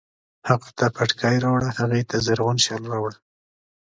هغه ته پټکی راوړه، هغې ته زرغون شال راوړه